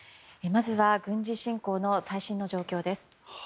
まずは、軍事侵攻の最新の状況です。